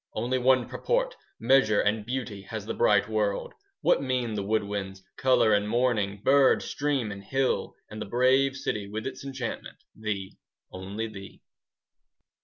Only one purport, Measure and beauty, 5 Has the bright world. What mean the wood winds, Colour and morning, Bird, stream, and hill? And the brave city 10 With its enchantment? Thee, only thee!